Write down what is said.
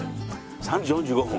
３時４５分。